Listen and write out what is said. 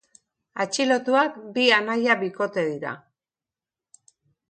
Atxilotuak bi anaia bikote dira.